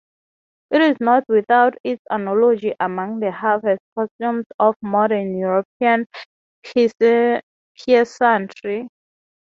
It is not without its analogy among the harvest customs of modern European peasantry.